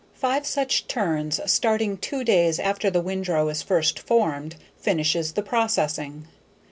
Five such turns, starting two days after the windrow is first formed, finishes the processing.